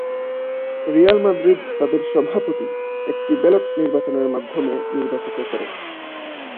Real Madrid তাদের সভাপতি একটি ব্যালট নির্বাচনের মাধ্যমে নির্বাচিত করে।